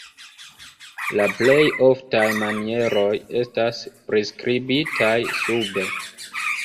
La plej oftaj manieroj estas priskribitaj sube.